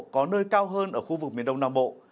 có nơi cao hơn ở khu vực miền đông nam bộ